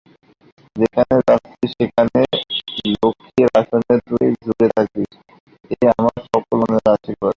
যেখানে যাচ্ছিস সেখানে লক্ষ্মীর আসন তুই জুড়ে থাকিস– এই আমার সকল মনের আশীর্বাদ।